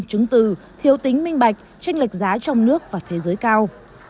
chứng từ thiếu tính minh bạch tranh lệch giá trong nước và thế giới cao